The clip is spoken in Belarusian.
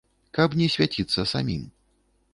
Каб не свяціцца самім.